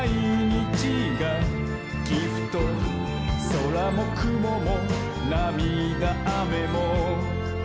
「そらもくももなみだあめも」